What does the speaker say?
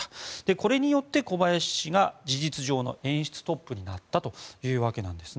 これによって、小林氏が事実上の演出トップになったというわけです。